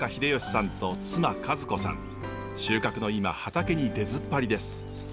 収穫の今畑に出ずっぱりです。